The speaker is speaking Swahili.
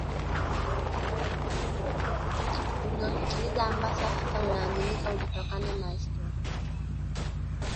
uliopitiliza ambao hasa unaaminika ulitokana na historia ya